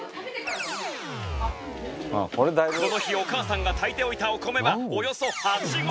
この日お母さんが炊いておいたお米はおよそ８合。